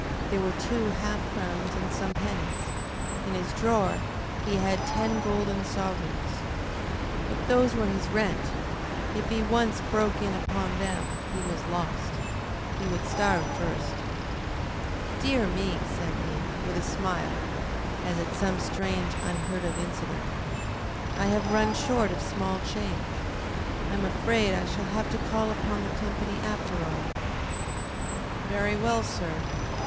There were two half crowns and some pennies. In his drawer he had ten golden sovereigns. But those were his rent. If he once broke in upon them he was lost. He would starve first. "Dear me!" said he, with a smile, as at some strange, unheard of incident. "I have run short of small change. I am afraid I shall have to call upon the company, after all." "Very well, sir."